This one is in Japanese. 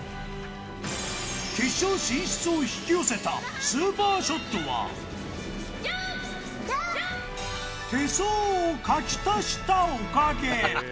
決勝進出を引き寄せたスーパーショットは、手相を書き足したおかげ。